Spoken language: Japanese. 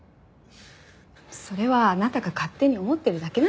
それはあなたが勝手に思ってるだけなんじゃ。